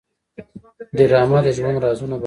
ډرامه د ژوند رازونه بربنډوي